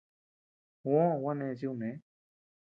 Juó gua neʼes chi kune.